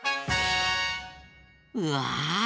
うわ！